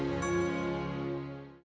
emang jijak banget ih